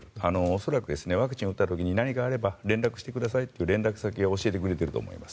恐らく、ワクチンを打った時に何かあれば連絡してくださいと連絡先を教えてくれていると思います。